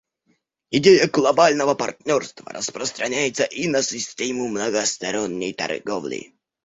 Идея глобального партнерства распространяется и на систему многосторонней торговли.